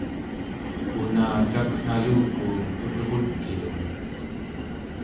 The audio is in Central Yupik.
una caknaluku ut'ruciu?